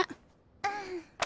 うん。